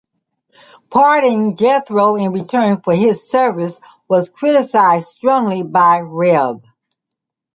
Pardoning Jethro in return for his service was criticized strongly by Rev.